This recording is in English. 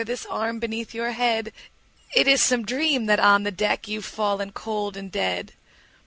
This arm beneath your head! It is some dream that on the deck 15 You've fallen cold and dead.